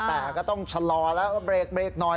แต่ก็ต้องชะลอแล้วก็เบรกหน่อย